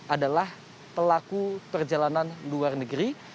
adalah pelaku perjalanan luar negeri